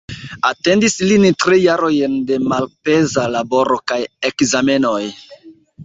Atendis lin tri jarojn de malpeza laboro kaj ekzamenoj.